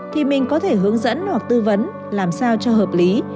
thì mình có thể hướng dẫn hoặc tư vấn làm sao cho hợp lý